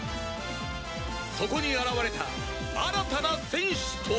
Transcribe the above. そこに現れた新たな戦士とは！？